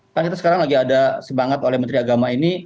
karena kita sekarang lagi ada semangat oleh menteri agama ini